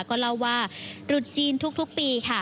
ก็เล่าว่าตรุษจีนทุกปีค่ะ